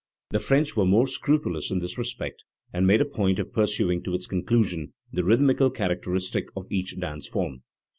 The French were more scrupulous in this respect, and made a point of pursuing to its conclusion the rhythmical characteristic of each dance form.